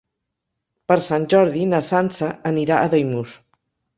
Per Sant Jordi na Sança anirà a Daimús.